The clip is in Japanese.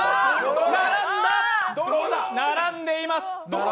並んでいます。